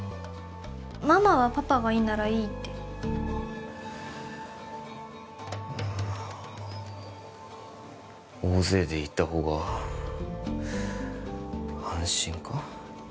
ママはパパがいいならいいってまあ大勢で行ったほうが安心か？